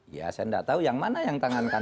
ya saya tidak tahu yang mana yang tangan kanan